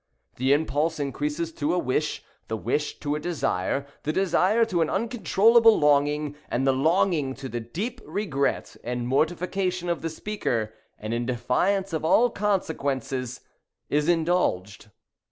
The impulse increases to a wish, the wish to a desire, the desire to an uncontrollable longing, and the longing (to the deep regret and mortification of the speaker, and in defiance of all consequences) is indulged.